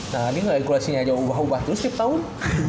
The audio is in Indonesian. nah ini regulasinya aja ubah ubah terus tiap tahun